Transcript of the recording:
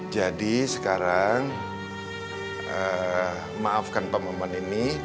jadi sekarang maafkan pak maman ini